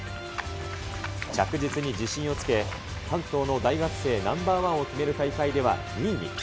着実に自信をつけ、監督の大学生ナンバー１を決める大会では２位に。